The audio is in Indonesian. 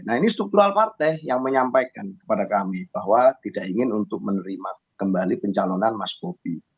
nah ini struktural partai yang menyampaikan kepada kami bahwa tidak ingin untuk menerima kembali pencalonan mas bobi